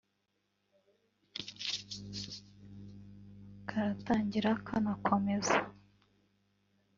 Karatangira kanakomeza